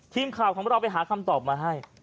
ทีมข่าวของเราไปหาคำตอบมาให้